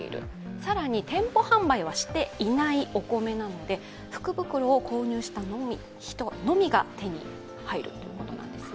更に店舗販売はしていないお米なので福袋を購入した人のみ手に入るということなんですね。